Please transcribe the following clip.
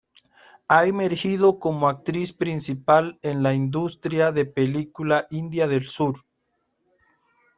Ha emergido como actriz principal en la industria de película india Del sur.